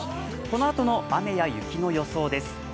このあとの雨や雪の予想です。